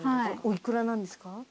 お幾らなんですか？